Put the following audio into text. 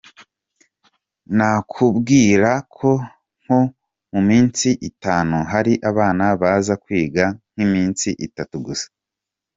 Nakubwira ko nko mu minsi itanu hari abana baza kwiga nk’iminsi itatu gusa.